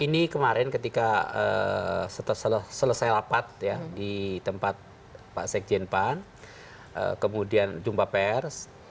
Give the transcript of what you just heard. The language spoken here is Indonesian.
ini kemarin ketika selesai rapat ya di tempat pak sekjen pan kemudian jumpa pers